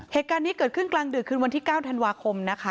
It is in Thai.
เหตุการณ์นี้เกิดขึ้นกลางดึกคืนวันที่๙ธันวาคมนะคะ